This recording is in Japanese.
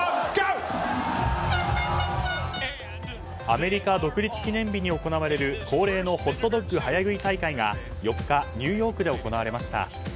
アメリカ独立記念日に行われる恒例のホットドッグ早食い大会が４日ニューヨークで行われました。